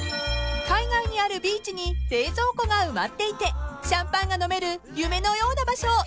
［海外にあるビーチに冷蔵庫が埋まっていてシャンパンが飲める夢のような場所］